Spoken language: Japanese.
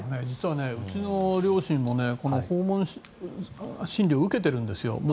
実はうちの両親も訪問診療を受けてるんですよ。